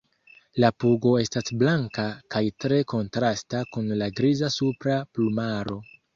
La pugo estas blanka kaj tre kontrasta kun la griza supra plumaro.